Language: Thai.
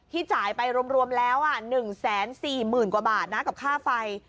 ที่จ่ายไปรวมแล้ว๑แสน๔๐๐๐๐กว่าบาทกับค่าไฟ